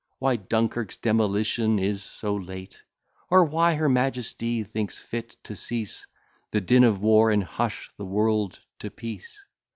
Why Dunkirk's demolition is so late? Or why her majesty thinks fit to cease The din of war, and hush the world to peace?